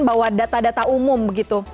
bahwa data data umum begitu